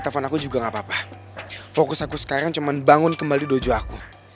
telepon aku juga nggak papa fokus aku sekarang cuman bangun kembali dojo aku